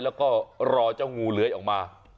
แล้วก็รอเจ้างูเลื้อยออกมา